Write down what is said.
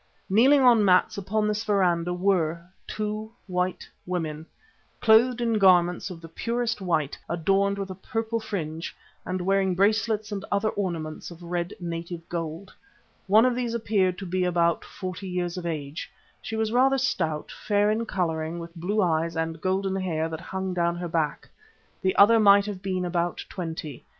Kneeling on mats upon this verandah were two white women clothed in garments of the purest white adorned with a purple fringe, and wearing bracelets and other ornaments of red native gold. One of these appeared to be about forty years of age. She was rather stout, fair in colouring, with blue eyes and golden hair that hung down her back. The other might have been about twenty.